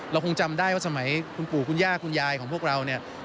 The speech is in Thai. คงจำได้ว่าสมัยคุณปู่คุณย่าคุณยายของพวกเราเนี่ย